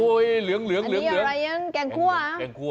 โอ้ยเหลืองเหลืองเหลืองเหลืองอันนี้อะไรยังแกงคั่วแกงคั่ว